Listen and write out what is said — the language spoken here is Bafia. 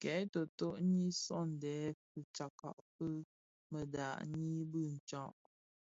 Kè toto nyi sõňdèn fitsakka fi mëdhad ňyi bi tsag.